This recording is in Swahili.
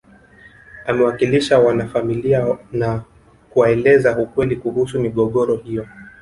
Amewakalisha wanafamilia na kuwaeleza ukweli kuhusu migogoro hiyo